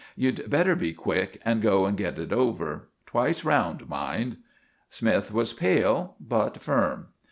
You'd better be quick, and go and get it over—twice round, mind." Smythe was pale, but firm.